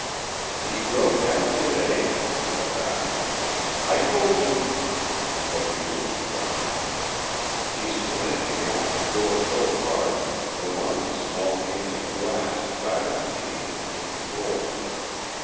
"He drove down to day," said Rapp. "I told him " But Peter was gone. He slammed the office door so hard that one of the small panes of glass clattered tinklingly to the floor.